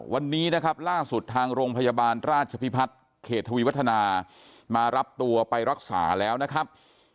วันนี้นะครับล่าสุดทางโรงพยาบาลราชพิพัฒน์เขตทวีวัฒนามารับตัวไปรักษาแล้วนะครับ